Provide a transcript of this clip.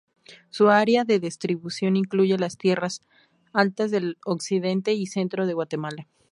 Su área de distribución incluye las tierras altas del occidente y centro de Guatemala.